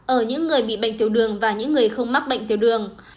ở những người bị bệnh tiểu đường và những người không mắc bệnh tiểu đường